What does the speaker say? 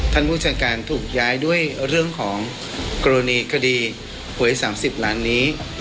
ผู้จัดการถูกย้ายด้วยเรื่องของกรณีคดีหวย๓๐ล้านนี้